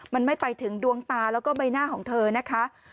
มันไม่ไปถึงดวงตาแล้วก็ใบหน้าของเธอนะคะ